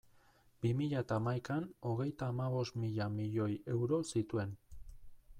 Bi mila eta hamaikan, hogeita hamabost mila milioi euro zituen.